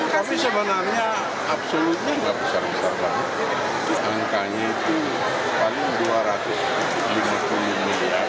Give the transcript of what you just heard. tapi sebenarnya absolutnya nggak besar besar banget angkanya itu paling dua ratus lima puluh miliar